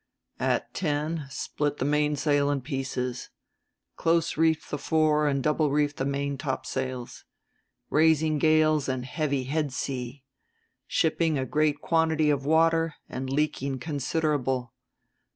"At ten split the mainsail in pieces. Close reefed the fore and double reefed the main topsails. Rising gales and heavy head sea. Shipping a great quantity of water and leaking considerable.